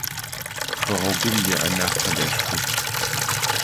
Хэгъэгум ианахь къэлэшху.